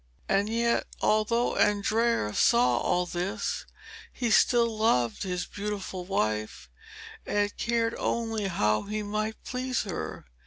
And yet, although Andrea saw all this, he still loved his beautiful wife and cared only how he might please her.